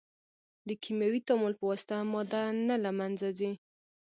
د کیمیاوي تعامل په واسطه ماده نه له منځه ځي.